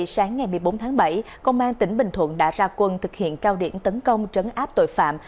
sáng ngày một mươi bốn tháng bảy công an tỉnh bình thuận đã ra quân thực hiện cao điểm tấn công trấn áp tội phạm